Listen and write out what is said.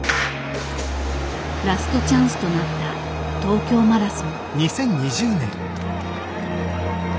ラストチャンスとなった東京マラソン。